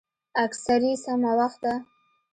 اكسرې سمه وخته.